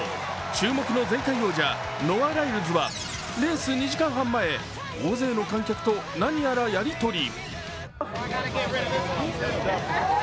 注目の前回王者、ノア・ライルズはレース２時間半前大勢の観客と何やらやり取り。